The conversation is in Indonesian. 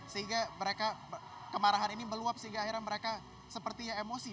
sehingga mereka kemarahan ini meluap sehingga akhirnya mereka sepertinya emosi